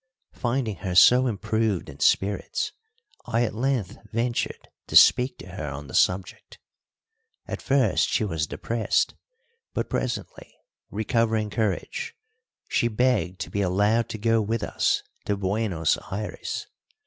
Finding her so improved in spirits, I at length ventured to speak to her on the subject. At first she was depressed, but presently, recovering courage, she begged to be allowed to go with us to Buenos Ayres.